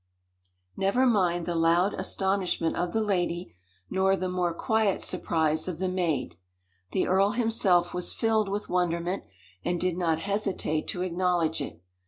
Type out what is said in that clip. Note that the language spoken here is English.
Never mind the loud astonishment of the lady, nor the more quiet surprise of the maid. The earl himself was filled with wonderment, and did not hesitate to acknowledge it.